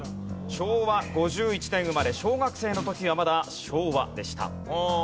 昭和５１年生まれ小学生の時はまだ昭和でした。